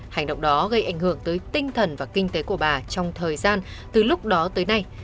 hành động đó gây ảnh hưởng tới tinh thần và kinh tế của bà trong thời gian từ lúc đó tới nay